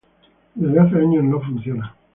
Desde hace años no funciona.